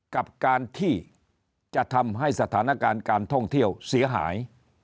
กับการที่จะทำให้สถานการณ์การท่องเที่ยวเสียหาย